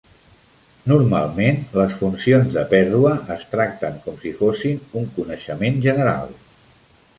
Normalment, les funcions de pèrdua es tracten com si fossin un coneixement general.